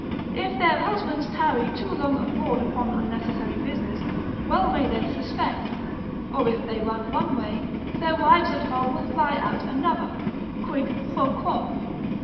If their husbands tarry too long abroad upon unnecessary business, well they may suspect: or if they run one way, their wives at home will fly out another, quid pro quo.